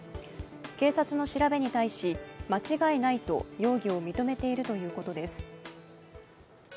警察の調べに対し、間違いないと容疑を認めているということです。